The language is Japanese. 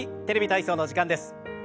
「テレビ体操」の時間です。